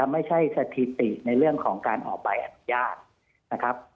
ไม่ใช่สถิติในเรื่องของการออกใบอนุญาตนะครับ